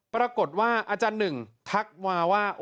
ปรากฏว่าอาจารย์หนึ่งทักมาว่า